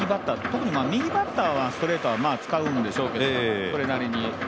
特に右バッターはストレートを使うんでしょうけどそれなりに。